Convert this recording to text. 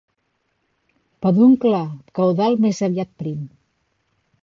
Peduncle caudal més aviat prim.